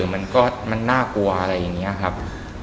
มันก็มันน่ากลัวอะไรอย่างนี้ครับ